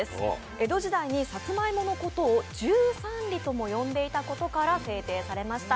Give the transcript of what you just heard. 江戸時代にさつまいものことを十三里とも言われていたことから制定されました。